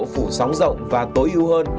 phủ sóng rộng và tối ưu hơn